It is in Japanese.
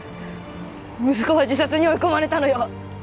息子は自殺に追い込まれたのよ！